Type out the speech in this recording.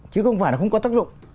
chứ không phải là không có tác dụng